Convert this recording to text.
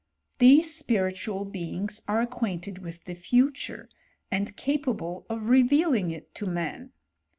These spiritual beings are acquainted wlff the future, and capable of revealing it to man.